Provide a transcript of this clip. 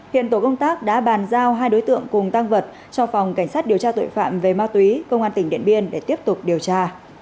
hiện tổ công tác đã bàn giao hai đối tượng cùng tăng vật cho phòng cảnh sát điều tra tội phạm về ma túy công an tỉnh điện biên để tiếp tục điều tra